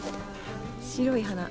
白い花。